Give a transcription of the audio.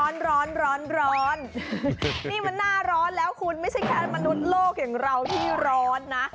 ร้อนร้อนนี่มันหน้าร้อนแล้วคุณไม่ใช่แค่มนุษย์โลกอย่างเราที่ร้อนนะ